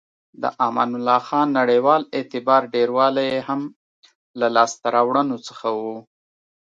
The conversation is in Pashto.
د امان الله خان نړیوال اعتبار ډیروالی یې هم له لاسته راوړنو څخه و.